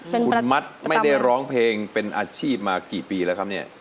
คุณมัดไม่ได้ร้องเพลงเป็นอาชีพมากี่ปีแล้วครับเนี่ย